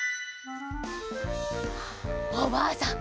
おばあさん